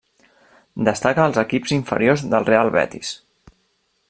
Destaca als equips inferiors del Real Betis.